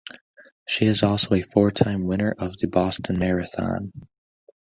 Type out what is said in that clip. She is also a four-time winner of the Boston Marathon.